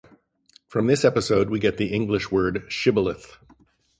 From this episode we get the English word shibboleth.